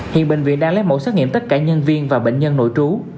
hiện bệnh viện đang lấy mẫu xét nghiệm tất cả nhân viên và bệnh nhân nội trú